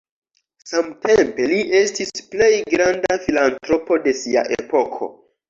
Samtempe, li estis plej granda filantropo de sia epoko.